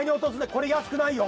これやすくないよ。